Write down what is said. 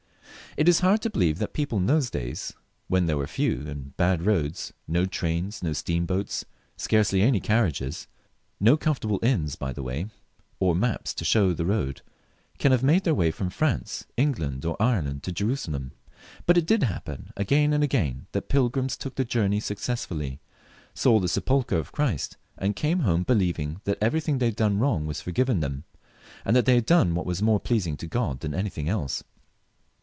It is hard to believe that people in those days, when F 66 PHILIP L [CH. there were few and bad roads, no trains, no steamboats, scarcely any carriages, no comfortable inns by the way, or maps to show the road, can have made their way from France, England, or Ireland, to Jerusalem ; but it did happen again and again that pilgrims took the journey successfully, saw the sepulchre of Christ, and came home believing that everything they had done wrong was for given them, and that they had done what was more pleas ing to God than anything else.